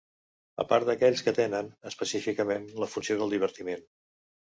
A part d’aquells que tenen, específicament, la funció del divertiment.